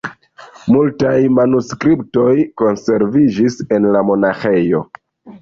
Multaj manuskriptoj konserviĝis en la monaĥejo.